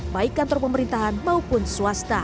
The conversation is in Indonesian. baik kantor pemerintahan maupun swasta